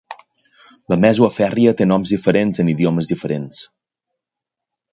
La Mesua ferrea té noms diferents en idiomes diferents.